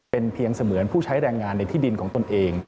เป็นเพียงเสมือนผู้ใช้แรงงานในที่ดินของตนเอง